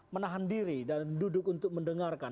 menahan diri dan duduk untuk mendengarkan